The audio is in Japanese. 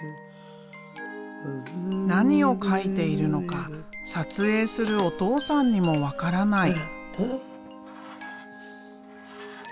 何を描いているのか撮影するお父さんにも分からない。